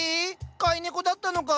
飼い猫だったのか。